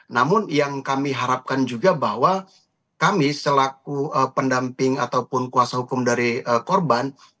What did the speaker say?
namun yang kami harapkan juga bahwa kami selaku pendamping ataupun kuasa hukum dari korban